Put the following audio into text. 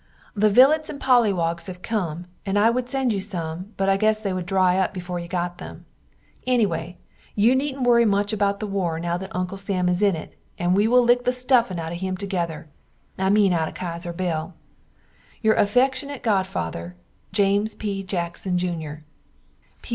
The vilets and pollywogs have come and I wood send you some but I guess they wood dry up before you got them. Ennyway you neednt worry much about the war now that Uncle Sam is in it we will lick the stuffin out of him together, I mean out of Kaiser Bill. Your affeckshunate godfather, James P. Jackson Jr.